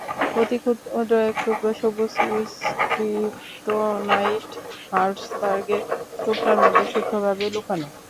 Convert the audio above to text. অতি ক্ষুদ্র এক টুকরো সবুজ ক্রিপ্টোনাইট হার্লসবার্গের টুকরার মধ্যে সূক্ষ্মভাবে লুকানো।